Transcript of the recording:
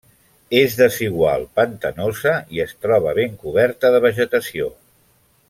És desigual, pantanosa i es troba ben coberta de vegetació.